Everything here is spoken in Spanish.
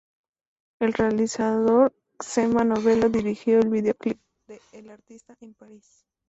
El realizador Txema Novelo dirigió el videoclip de "El artista" en París.